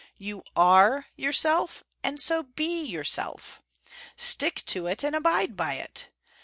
You ARE yourself and so BE yourself. Stick to it and abide by it.